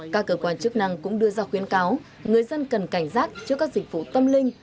các cơ quan chức năng cũng đưa ra khuyến cáo người dân cần cảnh giác trước các dịch vụ tâm linh